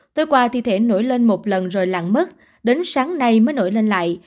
tôi qua thi thể nổi lên một lần rồi lặng mất đến sáng nay mới nổi lên lại